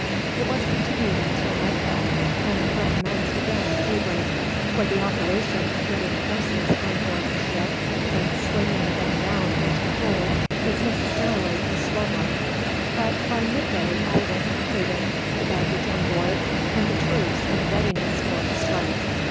It was continued until nightfall and recommenced again at daybreak, for the operation of getting horses on board a ship and slinging them down into the hold is necessarily a slow one; but by mid day all was concluded, the baggage on board, and the troops in readiness for a start.